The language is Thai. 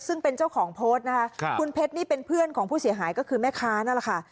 ซึ่งเป็นเจ้าของโพสต์นะคะคุณเพชรนี่เป็นเพื่อนของผู้เสียหายก็คือแม่ค้านั่นแหละค่ะ